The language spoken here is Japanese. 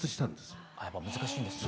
やっぱ難しいんですね。